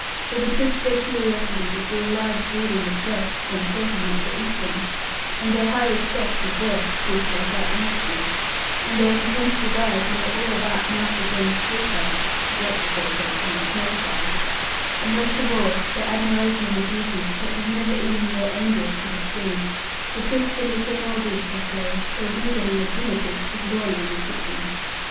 For betwixt their curiosity to see a live Doone in the flesh (when certain not to eat them), and their high respect for birth (with or without honesty), and their intense desire to know all about Master John's sweetheart (dropped, as they said, from the snow clouds), and most of all their admiration of a beauty such as never even their angels could have seen betwixt and between all this, I say, there was no getting the dinner cooked, with Lorna in the kitchen.